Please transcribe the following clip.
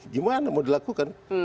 gimana mau dilakukan